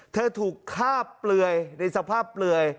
ถูกฆ่าเปลือยในสภาพเปลือย